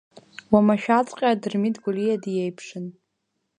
Уамашәаҵәҟьа Дырмит Гәлиа диеиԥшын.